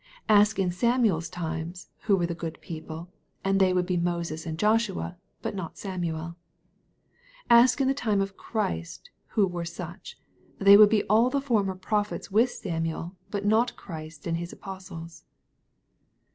Ask in Samuel's times, who were the good people, they will be Moses and Joshua, but not SamueL Ask in the times of Christy who were such, they wiU be all the former prophets with Samuel, but not Christ and His apostles."